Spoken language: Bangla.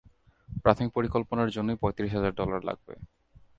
প্রাথমিক পরিকল্পনার জন্যই পঁয়ত্রিশ হাজার ডলার লাগবে।